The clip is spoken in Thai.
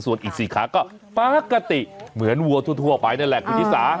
ส่วนอีก๔ขาก็ปกติเหมือนวัวทั่วไปนั่นแหละคุณชิสา